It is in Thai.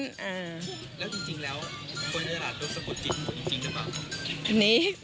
แล้วจริงแล้วคนในอาหารรู้สึกว่าจริงหรือเปล่า